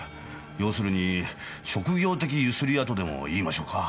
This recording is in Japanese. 要するに職業的強請り屋とでも言いましょうか。